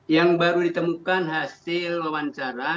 yang baru ditemukan hasil wawancara